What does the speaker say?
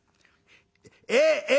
「ええ